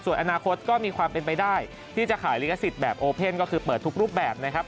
ส่วนอนาคตก็มีความเป็นไปได้ที่จะขายลิขสิทธิ์แบบโอเพ่นก็คือเปิดทุกรูปแบบนะครับ